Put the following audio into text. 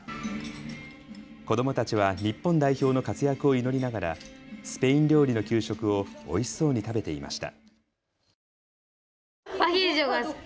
子どもたちは日本代表の活躍を祈りながらスペイン料理の給食をおいしそうに食べていました。